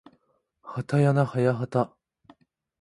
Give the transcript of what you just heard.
はたやなはやはた